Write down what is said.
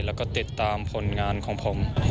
แล้วก็ติดตามผลงานของผม